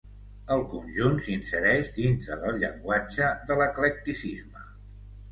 El conjunt s'insereix dintre del llenguatge de l'eclecticisme.